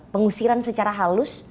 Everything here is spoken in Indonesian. pengusiran secara halus